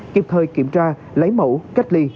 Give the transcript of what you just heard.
kịp thời kiểm tra lấy mẫu cách ly